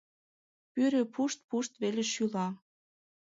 Пӱрӧ пушт-пушт вел шӱла.